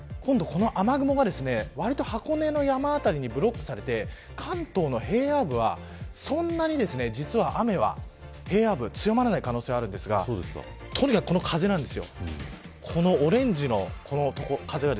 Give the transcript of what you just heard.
そうすると今度、この雨雲がわりと箱根の山辺りにブロックされて関東の平野部はそんなに実は雨は平野部、強まらない可能性があるんですがでは全国のお天気を見ていきます。